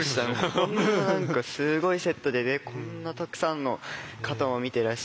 こんな何かすごいセットでねこんなたくさんの方も見てらして。